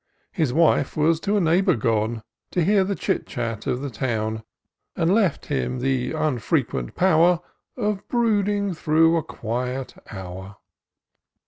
His wife was to a neighbour gone, To hear the chit chat of the town ; And left him the unfrequent power Of brooding through a quiet hour.